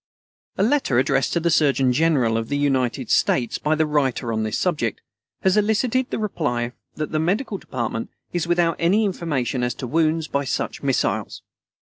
A letter addressed to the Surgeon General of the United States by the writer on this subject, has elicited the reply that the Medical Department is without any information as to wounds by such missiles.